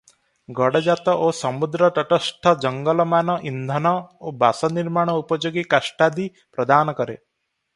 ଗଡ଼ଜାତ ଓ ସମୁଦ୍ରତଟସ୍ଥ ଜଙ୍ଗଲମାନ ଇନ୍ଧନ ଓ ବାସ ନିର୍ମାଣ ଉପଯୋଗୀ କାଷ୍ଠାଦି ପ୍ରଦାନ କରେ ।